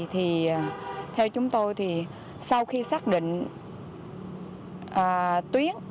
thì theo chúng tôi thì sau khi xác định tuyến